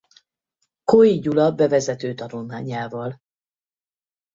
Koi Gyula bevezető tanulmányával.